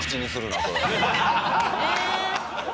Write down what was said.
え。